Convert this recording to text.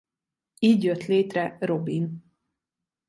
Így jött létre Robin.